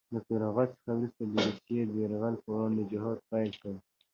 له فراغت څخه وروسته یې د روسیې یرغلګرو په وړاندې جهاد پیل کړ